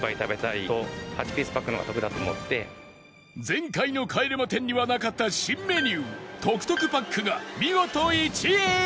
前回の帰れま１０にはなかった新メニュートクトクパックが見事１位！